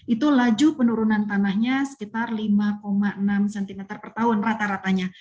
itu laju penurunan tanahnya sekitar lima enam cm per tahun rata ratanya